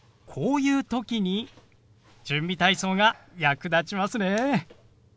こういう時に準備体操が役立ちますね。